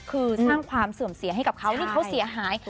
คือสร้างความเสื่อมเสียให้กับเขาที่เขาเสียหาย